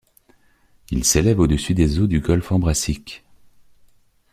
Il s'élève à au-dessus des eaux du golfe Ambracique.